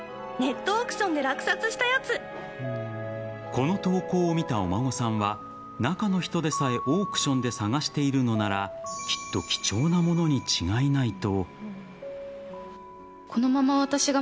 この投稿を見たお孫さんは中の人でさえオークションで探しているのならきっと貴重なものに違いないと。